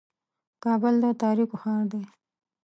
کابل د تاریکو ښار دی.